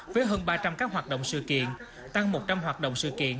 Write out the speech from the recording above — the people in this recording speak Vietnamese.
với hơn ba trăm linh các hoạt động sự kiện tăng một trăm linh hoạt động sự kiện